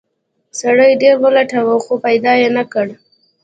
سړي ډیر ولټاوه خو پیدا یې نه کړ.